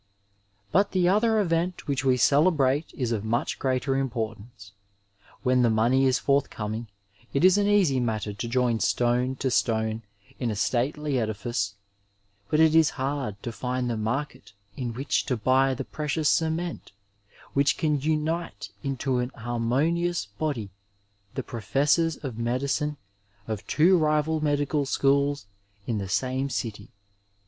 But the other event which we celebrate is of much greater importance; When the money is forthcoming it is an easy matter to join stone to stone in a stately edifice, but it is hard to find the market in which to buy the precious cement which can unite into an harmonious body the professors of medicine of two rival medical schools in the same city.